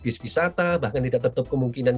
bis wisata bahkan tidak tertutup kemungkinan